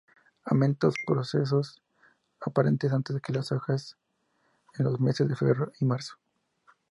Amentos precoces, aparecen antes que las hojas, en los meses de febrero y marzo.